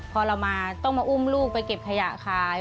พอเรามาต้องมาอุ้มลูกไปเก็บขยะขาย